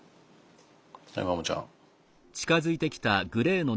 はいモモちゃん。